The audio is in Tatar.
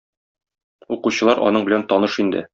Укучылар аның белән таныш инде.